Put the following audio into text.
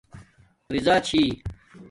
رضآچھی